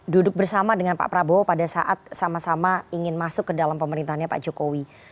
duduk bersama dengan pak prabowo pada saat sama sama ingin masuk ke dalam pemerintahnya pak jokowi